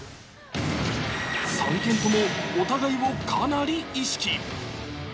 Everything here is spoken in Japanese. ３県ともお互いをかなり意識。